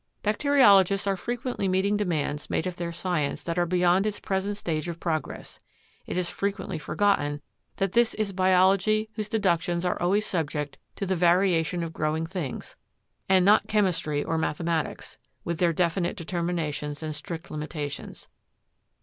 Bacteriologists are frequently meeting demands made of their science that are beyond its present stage of progress. It is frequently forgotten that this is biology whose deductions are always subject to the variation of growing things, and not chemistry or mathematics, with their definite determinations and strict limitations.